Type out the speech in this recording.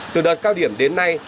từ đợt cao điểm đến nay